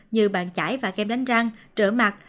như bàn chải và kem lánh răng trở mặt